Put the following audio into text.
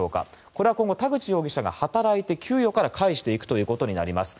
これは今後、田口容疑者が働いて給与から返していくということになります。